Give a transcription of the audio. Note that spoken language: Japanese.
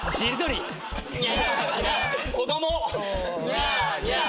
ニャーニャー。